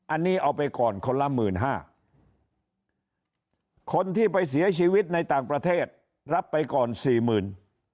อันนี้เอาไปก่อนคนละหมื่นห้าคนที่ไปเสียชีวิตในต่างประเทศรับไปก่อนสี่หมื่น